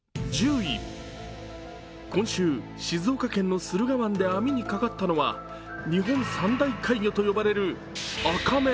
今週、静岡県の駿河湾で網にかかったのは日本三大怪魚と呼ばれるアカメ。